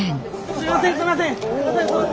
すいません！